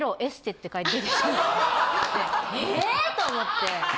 えっ！？と思って。